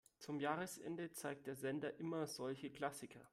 Zum Jahresende zeigt der Sender immer solche Klassiker.